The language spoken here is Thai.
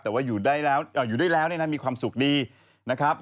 แต่ว่าอยู่ได้แล้วอยู่ด้วยแล้วเนี่ยนะมีความสุขดีนะครับ